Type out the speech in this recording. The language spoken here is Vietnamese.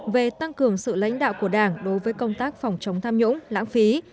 về tăng cường sự lãnh đạo của đảng đối với công tác phòng chống tham nhũng lãng phí